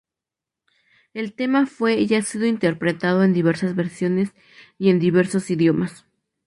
El tema fue y ha sido interpretado en diversas versiones y en diversos idiomas.